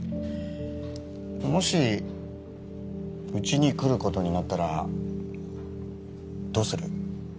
もしうちに来ることになったらどうする？